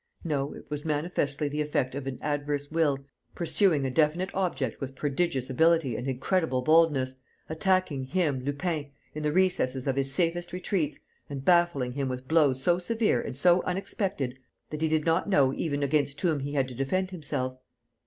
No, it was manifestly the effect of an adverse will pursuing a definite object with prodigious ability and incredible boldness, attacking him, Lupin, in the recesses of his safest retreats and baffling him with blows so severe and so unexpected that he did not even know against whom he had to defend himself.